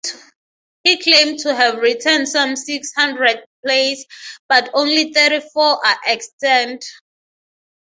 He claimed to have written some six hundred plays, but only thirty-four are extant.